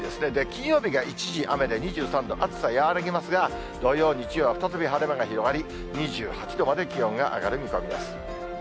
金曜日が一時雨で２３度、暑さ和らぎますが、土曜、日曜は再び晴れ間が広がり、２８度まで気温が上がる見込みです。